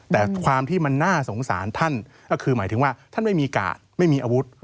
แต่ความที่มันน่าสงสารท่านก็คือหมายถึงว่าท่านไม่มีกาดไม่มีอาวุธ